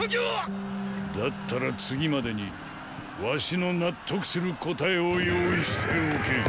だったら次までに儂の納得する答えを用意しておけィ。